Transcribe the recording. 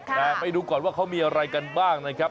แต่ไปดูก่อนว่าเขามีอะไรกันบ้างนะครับ